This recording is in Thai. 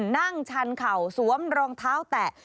ชันเข่าสวมรองเท้าแตะ